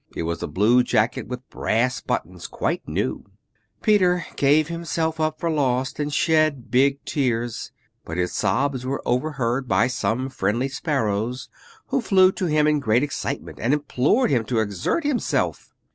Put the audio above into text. It was a blue jacket with brass buttons, quite new. Peter gave himself up for lost, and shed big tears; but his sobs were overheard by some friendly sparrows, who flew to him in great excitement, and implored him to exert himself.